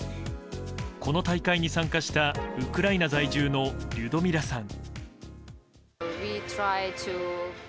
この大会に参加したウクライナ在住のリュドミラさん。